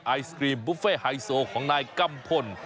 ไอศกรีมบุฟเฟ่ไฮโซของนายกัมพล